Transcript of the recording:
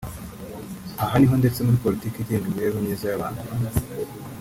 Aha niho ndetse muri politiki igenga imibereho myiza y’abantu